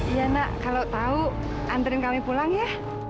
iya nak kalau tahu antren kami pulang ya